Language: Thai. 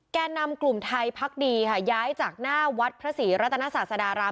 แก่นำกลุ่มไทยพักดีค่ะย้ายจากหน้าวัดพระศรีรัตนศาสดาราม